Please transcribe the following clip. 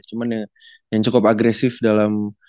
cuma yang cukup agresif dalam